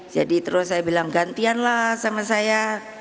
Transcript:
jadi terus saya bilang gantianlah sama saya